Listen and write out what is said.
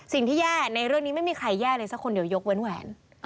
สิ่งที่แย่ในเรื่องนี้ไม่มีใครแย่เลยสักคนเดียวยกเว้นแหวน